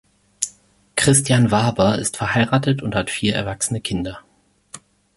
Christian Waber ist verheiratet und hat vier erwachsene Kinder.